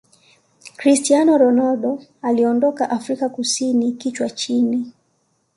cristiano ronaldo aliondoka afrika kusini kichwa chini